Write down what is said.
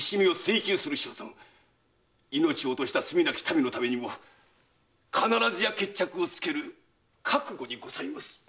命落とした罪なき民のためにも必ずや決着をつける覚悟です！